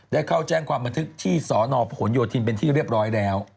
ได้เข้าแจ้งความบันทึกที่สนพหนโยธินเป็นที่เรียบร้อยแล้ว